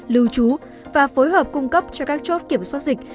lưu trú và phối hợp cung cấp cho các chốt kiểm soát dịch